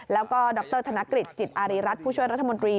แล้วก็ดรธนกฤษจิตอารีรัฐผู้ช่วยรัฐมนตรี